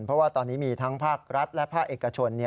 เพราะว่าตอนนี้มีทั้งภาครัฐและภาคเอกชน